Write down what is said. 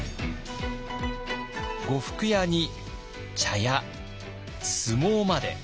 呉服屋に茶屋相撲まで。